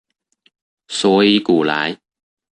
所以古來